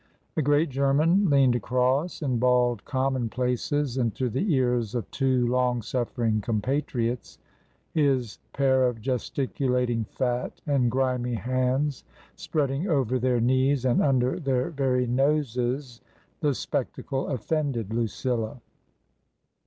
A great German leaned across and bawled commonplaces into the ears of two long suffering compatriots, his pair of gesticulating, fat, and grimy hands spreading over their knees and under their very noses. The spectacle offended Lucilla.